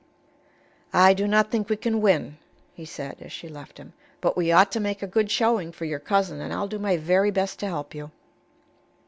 "I do not think we can win," he said, as she left him; "but we ought to make a good showing for your cousin, and I'll do my very best to help you."